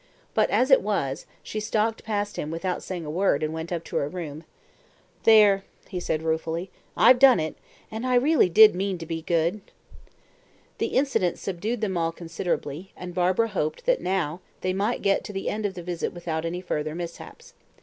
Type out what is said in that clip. But as it was, she stalked past him without saying a word and went up to her room. "There!" he said ruefully, "I've done it, and I really did mean to be good." The incident subdued them all considerably, and Barbara hoped that now they might get to the end of the visit without any further mishaps.